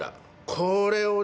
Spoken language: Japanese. これをね